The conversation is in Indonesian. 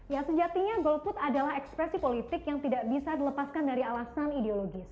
ya sejatinya golput adalah ekspresi politik yang tidak bisa dilepaskan dari alasan ideologis